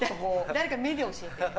誰か目で教えてよ。